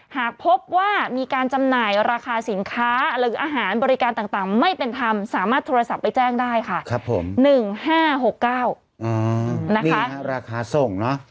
หากพบว่ามีการจำหน่ายราคาสินค้าหรืออาหารบริการต่างไม่เป็นธรรมสามารถโทรศัพท์ไปแจ้งได้ค่ะ๑๕๖๙นะคะราคาส่งเนอะ